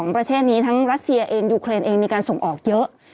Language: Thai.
ประเทศนี้ทั้งรัสเซียเองยูเครนเองมีการส่งออกเยอะ